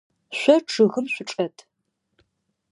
Шъо чъыгым шъучӏэт.